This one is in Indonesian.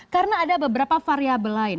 karena ada beberapa variable lain